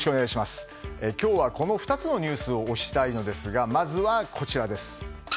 今日はこの２つのニュースを推したいのですが、まずはこちら。